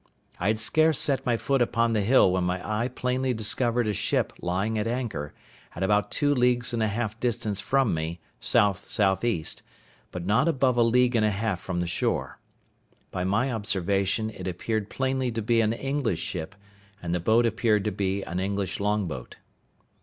I had scarce set my foot upon the hill when my eye plainly discovered a ship lying at anchor, at about two leagues and a half distance from me, SSE., but not above a league and a half from the shore. By my observation it appeared plainly to be an English ship, and the boat appeared to be an English long boat.